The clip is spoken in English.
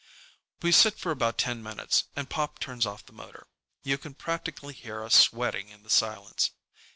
We sit for about ten minutes, and Pop turns off the motor. You can practically hear us sweating in the silence.